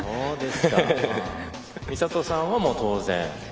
美里さんは当然？